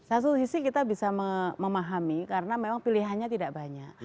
satu sisi kita bisa memahami karena memang pilihannya tidak banyak